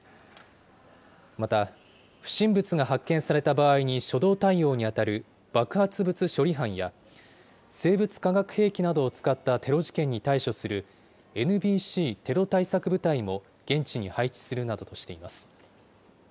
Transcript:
また、不審物が発見された場合に初動対応に当たる爆発物処理班や、生物化学兵器などを使ったテロ事件に対処するＮＢＣテロ対策部隊も現地に配置するなどとしています。